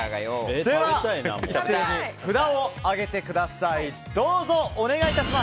では、一斉に札を上げてください。